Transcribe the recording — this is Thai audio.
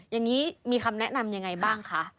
อย่างนี้มีคำแนะนำยังไงบ้างคะ